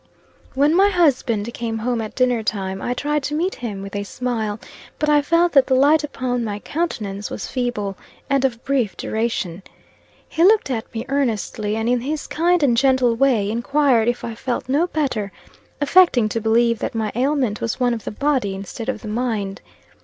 When my husband came home at dinner time, I tried to meet him with a smile; but I felt that the light upon my countenance was feeble, and of brief duration. He looked at me earnestly, and in his kind and gentle way, enquired if I felt no better, affecting to believe that my ailment was one of the body instead of the mind.